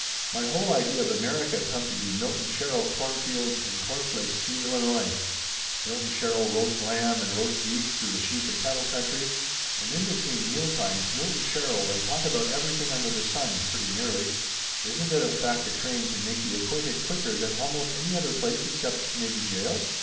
My whole idea of America come to be Milton Sherrill cornfields and corn flakes through Illinois; Milton Sherrill roast lamb and roast beef through the sheep and cattle country. And in between mealtimes, Milton Sherrill and talk about everything under the sun pretty nearly. Isn't it a fact a train can make you acquainted quicker than almost any other place except maybe jail?